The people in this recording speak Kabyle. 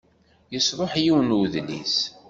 Yesṛuḥ yiwen n udlis.